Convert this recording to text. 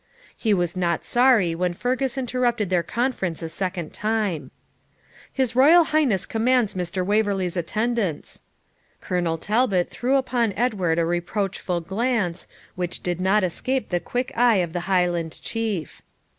He was not sorry when Fergus interrupted their conference a second time. 'His Royal Highness commands Mr. Waverley's attendance.' Colonel Talbot threw upon Edward a reproachful glance, which did not escape the quick eye of the Highland Chief.